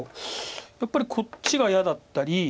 やっぱりこっちが嫌だったり。